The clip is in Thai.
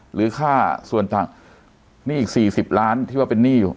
หรือค่าส่วนต่างหนี้อีก๔๐ล้านที่ว่าเป็นหนี้อยู่